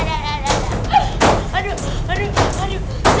aduh aduh aduh aduh